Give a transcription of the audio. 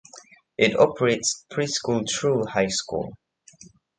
It operates preschool through high school.